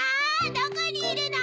どこにいるの？